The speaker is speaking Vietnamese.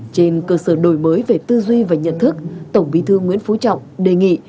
trên cơ sở đổi mới về tư duy và nhận thức tổng bí thư nguyễn phú trọng đề nghị